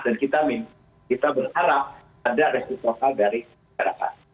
dan kita berharap ada resiko total dari perhatian